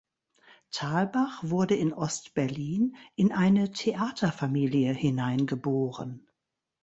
Thalbach wurde in Ost-Berlin in eine Theaterfamilie hineingeboren.